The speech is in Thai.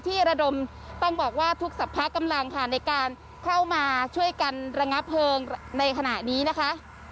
ระดมต้องบอกว่าทุกสรรพกำลังค่ะในการเข้ามาช่วยกันระงับเพลิงในขณะนี้นะคะ